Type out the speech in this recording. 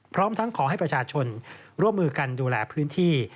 พร้อมทั้งขอให้ประชาชนร่วมมือกันดูแลพื้นที่